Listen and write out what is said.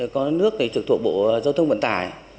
có nước thì trực thuộc bộ giao thông vận tải